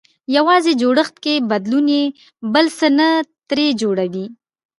يوازې جوړښت کې بدلون يې بل څه نه ترې جوړوي.